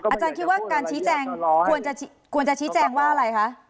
อาจารย์คิดว่าการชี้แจงควรจะชี้แจงว่าอะไรคะ